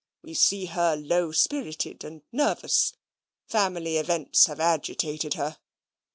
We see her low spirited and nervous; family events have agitated her."